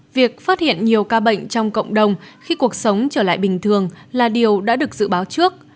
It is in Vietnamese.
việc phát hiện nhiều ca bệnh trong cộng đồng khi cuộc sống trở lại bình thường là điều đã được dự báo trước